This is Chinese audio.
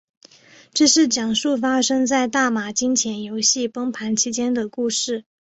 这是讲述发生在大马金钱游戏崩盘期间的故事。